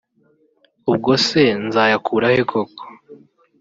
ubwo se nzayakura he koko